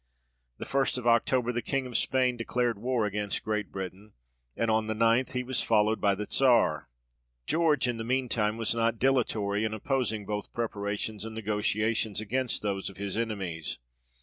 The first of October the King of Spain declared war against Great Britain, and on the ninth he was followed by the Czar. George in the mean time was not dilatory in opposing both preparations and negotiations against those of his enemies.